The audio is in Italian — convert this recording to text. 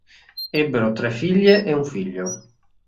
Ebbero tre figlie e un figlio.